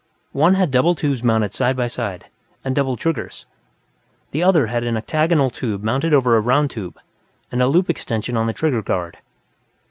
One had double tubes mounted side by side, and double triggers; the other had an octagonal tube mounted over a round tube, and a loop extension on the trigger guard.